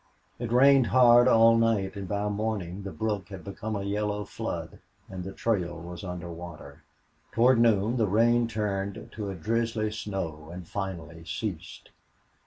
It rained hard all night and by morning the brook had become a yellow flood and the trail was under water. Toward noon the rain turned to a drizzly snow, and finally ceased.